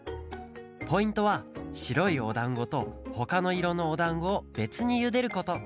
ポイントはしろいおだんごとほかのいろのおだんごをべつにゆでること。